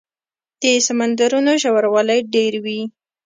د سمندرونو ژوروالی ډېر وي.